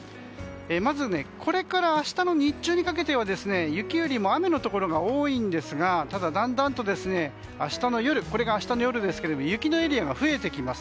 まず、これから明日の日中にかけては雪よりも雨のところが多いんですがただ、だんだんとこれが明日の夜ですが雪のエリアが増えてきます。